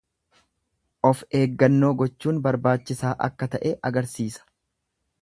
Of eeggannoo gochuun barbaachisaa akka ta'e agarsiisa.